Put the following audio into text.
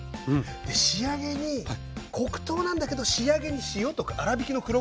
で仕上げに黒糖なんだけど仕上げに塩とか粗びきの黒こしょうふる。